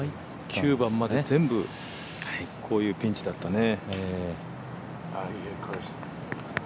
９番まで全部こういうシーンだったね。